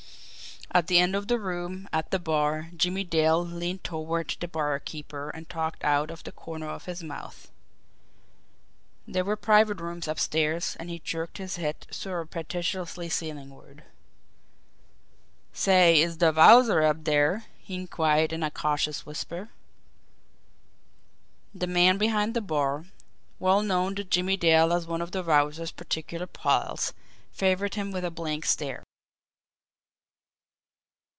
At the end of the room, at the bar, Jimmie Dale leaned toward the barkeeper and talked out of the corner of his mouth. There were private rooms upstairs, and he jerked his head surreptitiously ceilingward. "Say, is de Wowzer up dere?" he inquired in a cautious whisper. The man behind the bar, well known to Jimmie Dale as one of the Wowzer's particular pals, favoured him with a blank stare.